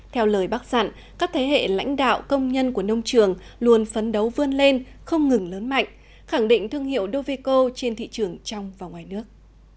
theo lời bác dặn các thế hệ lãnh đạo công nhân của nông trường luôn phấn đấu vươn lên không ngừng lớn mạnh khẳng định thương hiệu doveco trên thị trường trong và ngoài nước